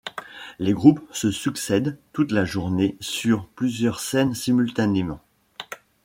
Les groupes se succèdent toute la journée sur plusieurs scènes simultanément.